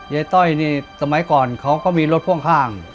ต้อยนี่สมัยก่อนเขาก็มีรถพ่วงข้าง